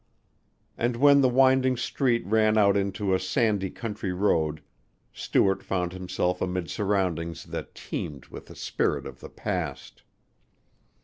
And when the winding street ran out into a sandy country road Stuart found himself amid surroundings that teemed with the spirit of the past.